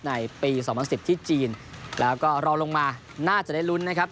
ในปี๒๐๑๐ที่จีนแล้วก็รอลงมาน่าจะได้ลุ้นนะครับ